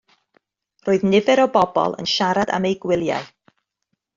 Roedd nifer o bobl yn siarad am eu gwyliau.